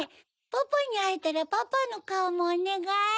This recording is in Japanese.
パパにあえたらパパのカオもおねがい！